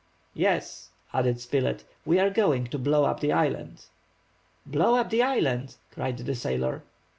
"Yes," added Spilett, "we are going to blow up the island." "Blow up the island?" cried the sailor.